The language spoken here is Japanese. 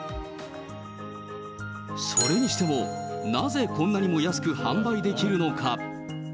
それにしても、なぜこんなにも安く販売できるのか。